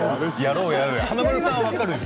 華丸さんは分かるよ。